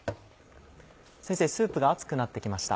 先生スープが熱くなって来ました。